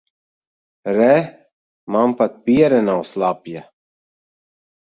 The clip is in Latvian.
Re, man pat piere nav slapja.